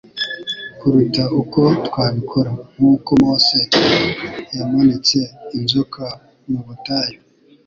kuruta uko twabikora. «Nk'uko Mose yamanitse inzoka mu butayu,